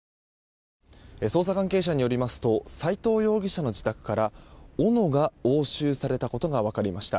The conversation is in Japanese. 捜査関係者によりますと斎藤容疑者の自宅から、おのが押収されたことが分かりました。